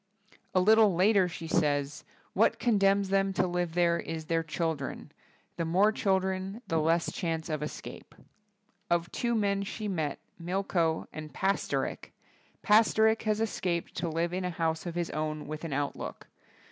A little later she says, 'What con denms them to live there is their chil dren; the more children the less chance of escape.'' Of two men she met, Milko and Pasterik, Pasterik has escaped to live in a house of his own with an outlook.